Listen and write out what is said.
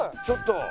ちょっと！